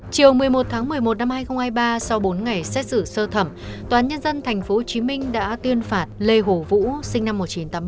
chiều một mươi một tháng một mươi một năm hai nghìn hai mươi ba sau bốn ngày xét xử sơ thẩm toán nhân dân tp hcm đã tuyên phạt lê hồ vũ sinh năm một nghìn chín trăm tám mươi ba